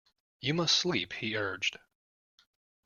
You must sleep, he urged.